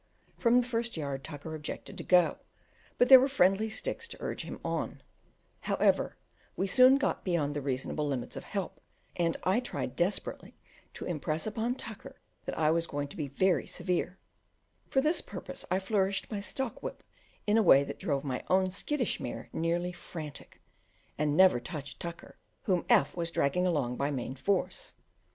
From the first yard Tucker objected to go, but there were friendly sticks to urge him on; however, we soon got beyond the reasonable limits of help, and I tried desperately to impress upon Tucker that I was going to be very severe: for this purpose I flourished my stock whip in a way that drove my own skittish mare nearly frantic, and never touched Tucker, whom F was dragging along by main force.